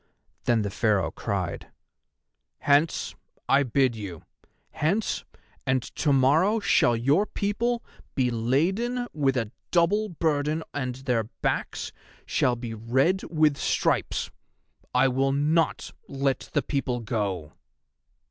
Then the Pharaoh cried: "Hence! I bid you. Hence, and to morrow shall your people be laden with a double burden and their backs shall be red with stripes. I will not let the people go!"